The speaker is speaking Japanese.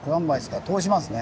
通しますね。